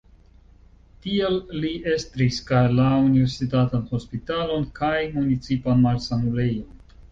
Tiel li estris kaj la universitatan hospitalon kaj municipan malsanulejon.